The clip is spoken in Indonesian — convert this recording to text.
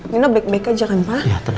nino baik baik aja kan